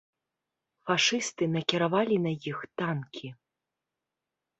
Фашысты накіравалі на іх танкі.